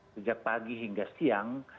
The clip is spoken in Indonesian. sejak pagi hingga siang